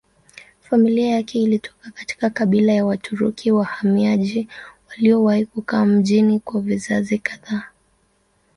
Familia yake ilitoka katika kabila ya Waturuki wahamiaji waliowahi kukaa mjini kwa vizazi kadhaa.